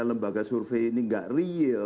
lembaga survei ini tidak real